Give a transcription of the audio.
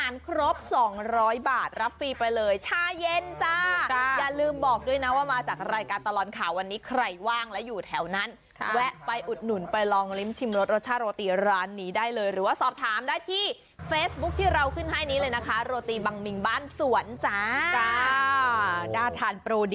ในช่วงนั้นอย่าลืมมาอุดหนุนกันนะคะขอโทษค่ะ